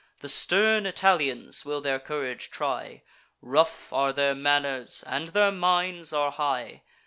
The stern Italians will their courage try; Rough are their manners, and their minds are high.